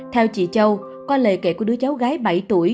theo chị châu có lời kể của đứa cháu gái bảy tuổi